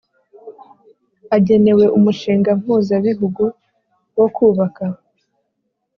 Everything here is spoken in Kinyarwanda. agenewe umushinga mpuzabihugu wo kubaka